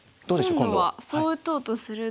今度はそう打とうとすると。